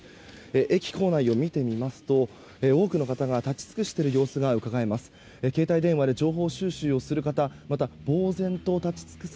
駅構内を見てみますと多くの方が立ち尽くしている様子がうかがえます。